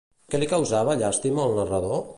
Què li causava llàstima al narrador?